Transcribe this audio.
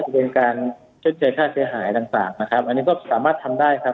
อันนี้ก็สามารถทำได้ครับ